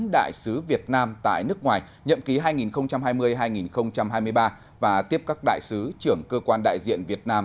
đại sứ việt nam tại nước ngoài nhậm ký hai nghìn hai mươi hai nghìn hai mươi ba và tiếp các đại sứ trưởng cơ quan đại diện việt nam